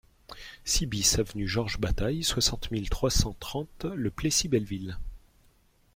six BIS avenue Georges Bataille, soixante mille trois cent trente Le Plessis-Belleville